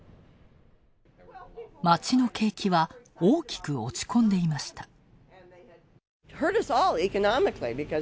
街の景気は、大きく落ち込んでいました。